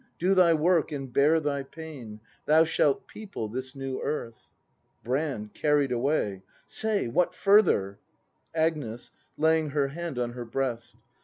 Do thy work and bear thy pain; — Thou shalt people this new earth!" Brand. [Carried away.] Say, what further! Agnes. [Laying her hand on her breast.